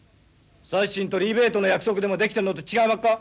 サッシンとリベートの約束でも出来てんのと違いまっか？